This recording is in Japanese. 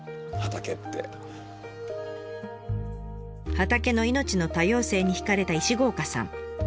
畑の命の多様性に惹かれた石郷岡さん。